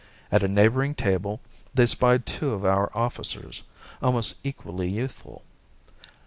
At a neighbouring table they spied two of our officers, almost equally youthful.